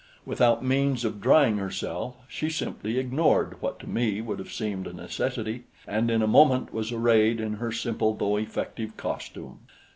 Without means of drying herself, she simply ignored what to me would have seemed a necessity, and in a moment was arrayed in her simple though effective costume.